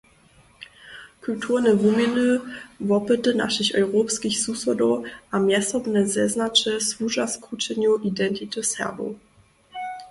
Kulturne wuměny, wopyty našich europskich susodow a mjezsobne zeznaće słuža skrućenju identity Serbow.